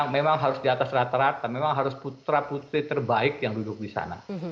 memang harus di atas rata rata memang harus putra putri terbaik yang duduk di sana